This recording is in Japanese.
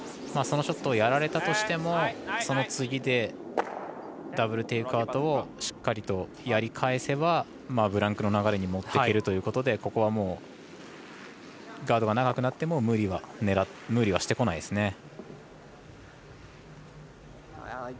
そのショットをやられたとしてもその次でダブル・テイクアウトをしっかりとやり返せばブランクの流れに持っていけるということでガードが長くなっても無理はしてこないですね。